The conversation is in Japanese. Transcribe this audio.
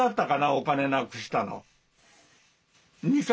お金なくしたの。